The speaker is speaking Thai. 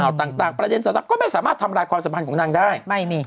ข่าวต่างต่างประเทศสาธารณะก็ไม่สามารถทำร้ายความสัมพันธ์ของนางได้ไม่มี